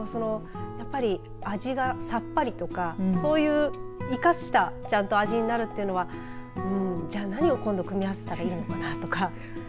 味が、さっぱりとかそういう生かした味になるというのはじゃあ何を今度組み合わせたらいいのかなとか。